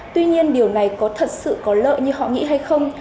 tuy nhiên điều này có thật sự có lợi như họ nghĩ hay không